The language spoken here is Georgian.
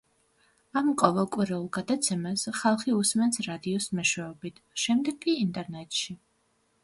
ამ ყოველკვირეულ გადაცემას ხალხი უსმენს რადიოს მეშვეობით, შემდეგ კი ინტერნეტში.